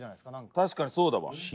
確かに、そうだわ。